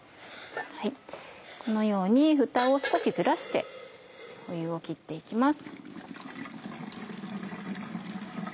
このようにふたを少しずらして湯を切って行きます。